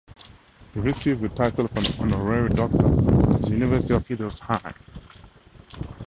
He received the title of an honorary doctor of the University of Hildesheim.